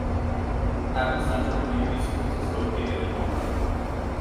Adams Central Community Schools is located in Monroe.